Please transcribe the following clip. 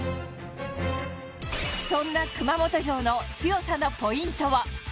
そんな熊本城の強さのポイントは？